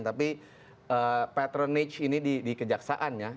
tapi patronage ini di kejaksaannya